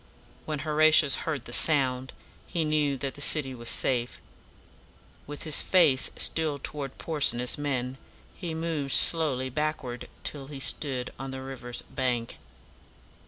When Horatius heard the sound, he knew that the city was safe. With his face still toward Porsena's men, he moved slowly back ward till he stood on the river's bank.